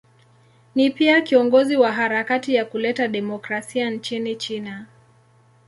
Ni pia kiongozi wa harakati ya kuleta demokrasia nchini China.